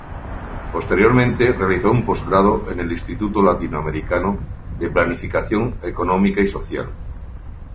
Posteriormente realizó un postgrado en el Instituto Latinoamericano de Planificación Económica y Social.